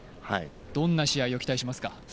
どんな試合を期待しますか？